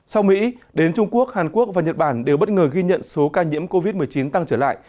sau mỹ đến trung quốc hàn quốc và nhật bản đều bất ngờ ghi nhận số ca nhiễm covid một mươi chín tăng trở lại